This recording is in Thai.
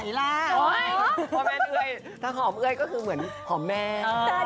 เพราะว่าใจแอบในเจ้า